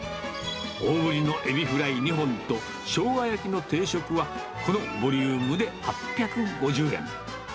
大盛りのエビフライ２本と、しょうが焼きの定食は、このボリュームで８５０円。